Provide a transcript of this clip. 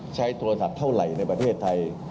ใช้โทรศัพท์เท่าไหร่ในประเทศไทย